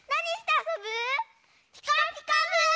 「ピカピカブ！」。